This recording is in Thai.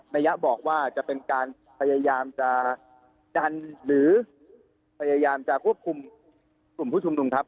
ระยะบอกว่าจะเป็นการพยายามจะดันหรือพยายามจะควบคุมกลุ่มผู้ชุมนุมครับ